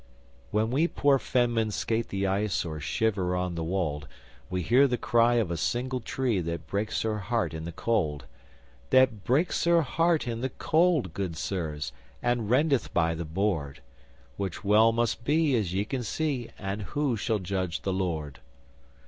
When we poor fenmen skate the ice Or shiver on the wold, We hear the cry of a single tree That breaks her heart in the cold That breaks her heart in the cold, good sirs, And rendeth by the board; Which well must be as ye can see And who shall judge the Lord?